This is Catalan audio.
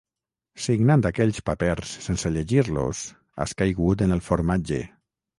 Signant aquells papers sense llegir-los has caigut en el formatge.